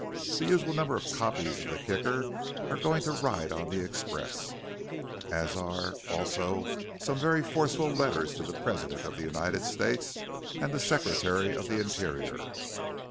The usual number of copies of the Kicker are going to ride on the express, as are also some very forceful letters to the President of the United States and the Secretary of the Interior."